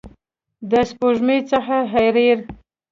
د سپوږمۍ څخه حریر